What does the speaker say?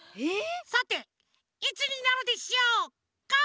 さていつになるでしょうか？